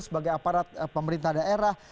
sebagai aparat pemerintah daerah